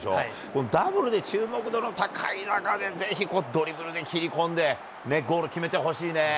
これ、ダブルで注目度の高い中で、ぜひドリブルで切り込んで、ゴール決めてほしいね。